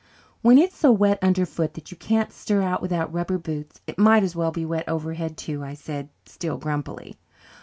"When it's so wet underfoot that you can't stir out without rubber boots it might as well be wet overhead too," I said, still grumpily.